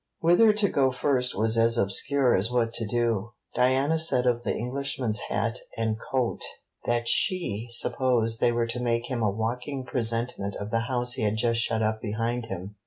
Whither to go first was as obscure as what to do. Diana said of the Englishman's hat and coat, that she supposed they were to make him a walking presentment of the house he had shut up behind him.